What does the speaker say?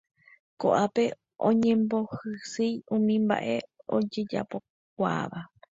Koʼápe oñembohysýi umi mbaʼe ojejapokuaáva.